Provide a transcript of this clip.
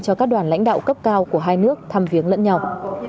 cho các đoàn lãnh đạo cấp cao của hai nước thăm viếng lẫn nhau